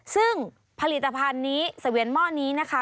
ซึ่งผลิตภัณฑ์นี้เสวียนหม้อนี้นะคะ